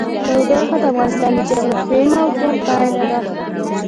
تودوخه د افغانستان د جغرافیایي موقیعت پایله ده.